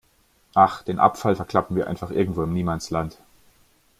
Ach, den Abfall verklappen wir einfach irgendwo im Niemandsland.